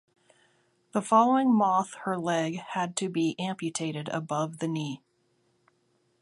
The following moth her leg had to be amputated above the knee.